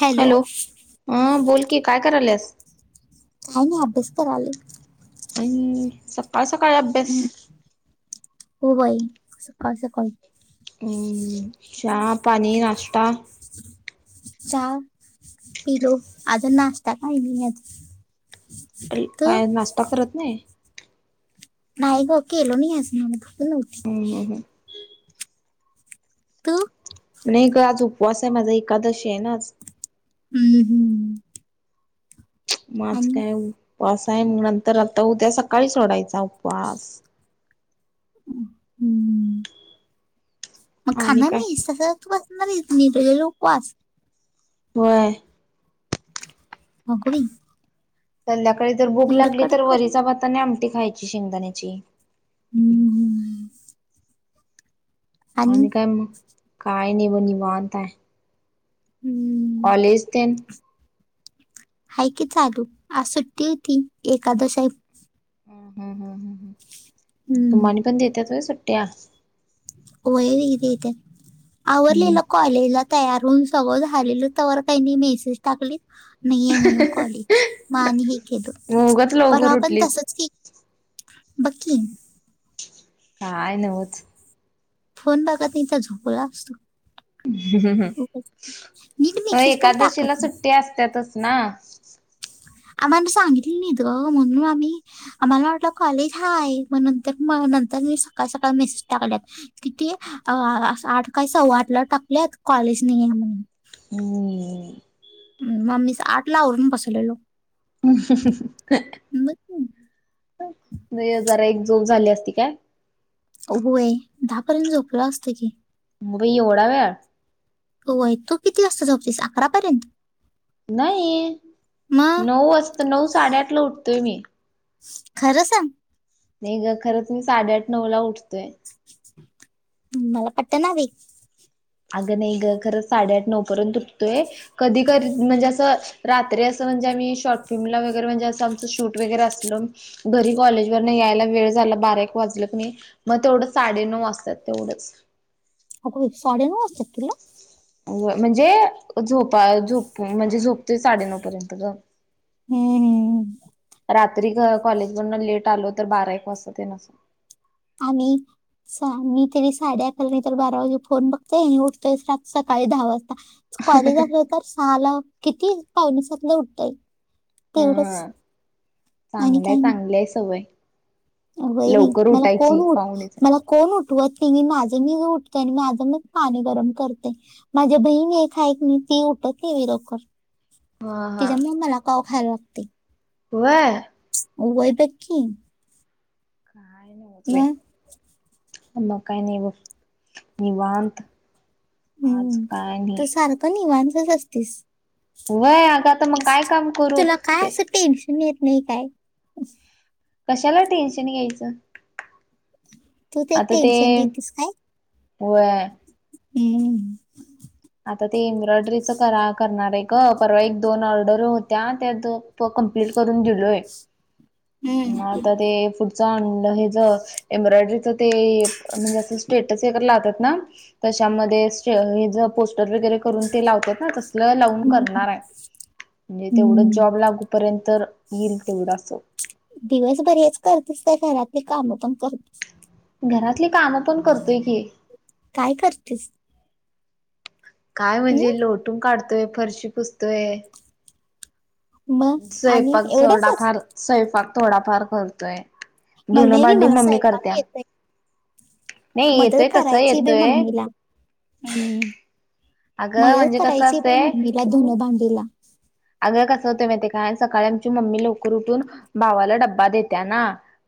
Hello. अ बोल की काय कराल्यास? आम्ही अभ्यास कराले हम्म सकाळ सकाळी अभ्यास. हम्म, हो बाई सकाळी सकाळी. चहा पाणी नाश्ता. चहा. पिलो आज नाश्ता काही नाही हे. काय नाश्ता करत नाही. नाही ग केलो नाही अस म्ह नव्हती. हम्म [unintelligible] हम्म तु? नाही ग आज उपवास आहे माझा एकादशी आहे न आज हम्म हम्. म आज काय उपवास आहे मग नंतर आता उद्या सकाळी सोडायचा उपवास. हम् मग आणि खाणा काय नाहि सगळ सणारच म त्या लोक वास. [unintelligible] व्हय. अग बाई. संध्याकाळी जर भुक एवढं लागली कडक तर कर वरिचा भात आमटी खायची शेंगदाण्याची. हम्. आणि मग काय नाही वनिवता आहे. हम्म, कॉलेज ते न. हाय की चालू, आज सुट्टी होती एकादशी होती. ह ह हम्म, तुम्हाला पण देत्यात होय सुट्टया? वय वय देतात, हम्म आवरलेलं कॉलेजला तयार होऊन सगळं झालेलं त वर काही मेसेज टाकलीत. नाहीये म्हणून कॉलेज, मग आणि हे केलं उगच पर वा लवकर आपण उठलीस तसंच [inaudible] बघ की. काय नवंच. फोन बघा तेचा झोपला असतो. हम्म हम्म नीट हम्म मेसेज पण एकादशीला टाकत नाही सुट्टी असत्यातच ना. आम्हा सांगितली नाही ग म्हणून आम्ही, आम्हाला वाटलं कॉलेज हाय, मग नंतर म नंतर मी सकाळ सकाळ मेसेज टाकल्या न- किती अ आठ काय सव्वा आठला टाकलेत कॉलेज नाही आहे म्हणून. हम्म हम्म म मी आठ आवरून बसवलोय. मग नाही जरा एक झोप झाली असती की नाही. होय दहा पर्यंत झोपलो असतो की, बाई एवढा वेळ. होय तू किती वाजता झोपते अकरापर्यंत. नाही, मग नऊ वाजत नऊसाडेआठला ला उठतेय मी. खरं साग- नाही ग खरंच मी साडेआठ नऊ ला उठतोय. मला पटत बाई. अगं नाही ग खरंच साडेआठ नऊ पर्यंत उठतोय, कधी कधी म्हणजे असं रात्री असं म्हणजे आम्ही शॉर्ट फिल्मला वगैरे म्हणजे असं आमचं शूट वगैरे असलं. घरी कॉलेज वर न यायला वेळ झाला बारा एक वाजलं क नी. मग तेवढं साडेनऊ वाजतात तेवढंच, अगं साडेनऊ वाजतात तुला. म्हणजे झोपा झोप म्हणजे झोप ते साडेनऊ पर्यंत गं. हम्म हम्म रात्री कॉलेज वरून लेट आलो तर, बारा एक वाजतात येन. आणि मी तर रात्री साडेअकरा बारापर्यंत फोन बघतोय आणि उठतोय सकाळी दहा वाजता. कॉलेज असलं तर सहाला किती पावनसातलला उठतोय. तेवढेच हम्म आणि काय नाही. लै सवय, व्हय बाई लवकर मला कोण उठायची उठ पाहुणेच मला कोण उठवत नाही, माझा मी उठते आणि माझं मला पाणी गरम करते. माझी बहीण एक हाय की ना ती लवकर [unintelligible] हा हा तिच्यामुळे मला काव खायला लागतोय. व्हय व्हय बघ की. मग काय नाय बघ मग निवांत. आज हंम काय नाही तू सारखं निवांतच असतीस. वय अग आता मग काय काम करू ते. तुम्ही येत नाही काय? कशाला टेन्शन घ्यायचं. तू एक आता ते टेन्शन देतीस काय व हम्म. आता ते एम्ब्रॉयडरीचं करा करणार आहे ग परवा एक दोन ऑर्डर होत्या त्या द तो कम्प्लीट करून दिलोय. हम्म. म आता ते पुढचं अंड हेच एम्ब्रॉयडरीच. म्हणजे स्टेटात ना त्या. [unintelligible] वगैरे करून ते लावतात ना तस लावून हम्म. करणाराय. म्हणजे तेवढं हम्म. जॉब लागूपर्यंत येईल तेवढं असं. दिवसभर हेच करतीस का घरातली काम पण करतीस. घरातली काम पण करतूय की. काय करतेस? काय हम्म? म्हणजे लोटून काढतोय फरशी पुसतोय. मग आणि स्ैपाक एवढंच थोडाफार स्ैपाक थोडाफार करतोय. धुनं भांडी मणसय मम्मी करत्या. येते [unintelligible] नाही मदत येतोय तसं करायची बे येतोय. मम्मीला. हम् अगं मदत म्हणजे कसं करायची बा असतंय मम्मीला धूनं भांडीला. अगं कसं होतंय माहित आहे का आमची मम्मी सकाळी लवकर उठून भावाला डबा देत्याना.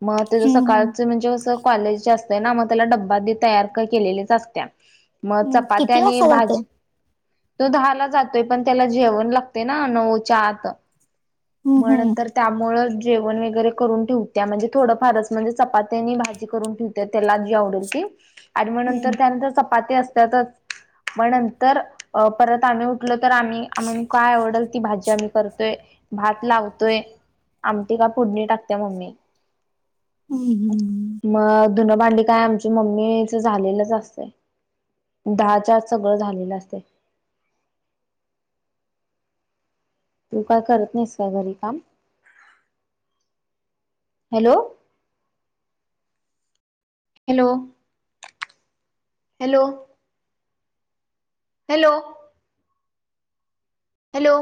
म ते हम्म, हम्म. सकाळचं म्हणजे असं. कॉलेज असत ना मग त्याला डबबा तयार केलेलीच असत. मग हम्म. चपात्या किती आणि वाजता जाते भाजी तो दहाला जातोय पण त्याला जेवण लागते ना नऊ च्या आत हम्म म्हणून हम्म तर. त्यामुळं जेवण वगैरे करून ठेवत्या म्हणजे थोडंफारच म्हणजे चपात्याने भाजी करून ठेव. ते त्याला जी आवडेल ती. आणि मग नंतर हम्म त्यानंतर चपाती असतातच मग नंतर परत आम्ही लं तर आम्ही आ काय आवडल ती भाजी आम्ही करतोय. भात लावतोय आमटी काय फोडणी टाकत्या मम्मी. हम् हम्. मग धुनं भांडी काय आमच्या मम्मीच झालेलंच असत. दहाच्या आत सगळं झालेलं असतंय. तू काय करत नाहीस काय घरी काम. Hello. Hello hello. Hello. Hello.